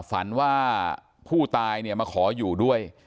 ฝันว่าผู้ตายมาขออยู่ด้วย